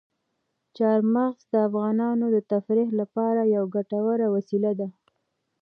چار مغز د افغانانو د تفریح لپاره یوه ګټوره وسیله ده.